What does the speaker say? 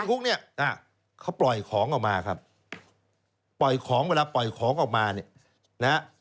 คุกเนี่ยเขาปล่อยของออกมาครับปล่อยของเวลาปล่อยของออกมาเนี่ยนะฮะ